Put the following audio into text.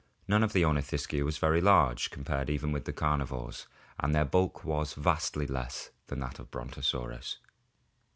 None of the Ornithischia was large compared even with the carnivores, and their bulk was vastly less than that of Brontosaurus.